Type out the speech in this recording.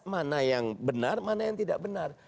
mana yang benar mana yang tidak benar